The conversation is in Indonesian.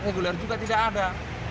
reguler juga tidak ada